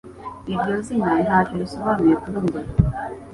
Iryo zina ntacyo risobanuye kuri njye.